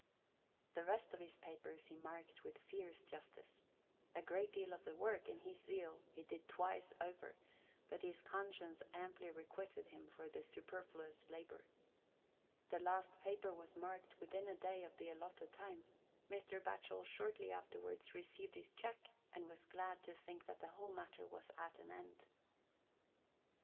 The rest of his papers he marked with fierce justice. A great deal of the work, in his zeal, he did twice over, but his conscience amply requited him for the superfluous labour. The last paper was marked within a day of the allotted time, Mr. Batchel shortly afterwards received his cheque, and was glad to think that the whole matter was at an end.